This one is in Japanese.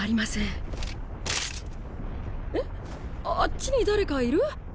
あっちに誰かいる？